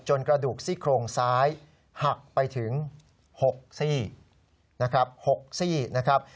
กระดูกซี่โครงซ้ายหักไปถึง๖ซี่นะครับ๖ซี่นะครับ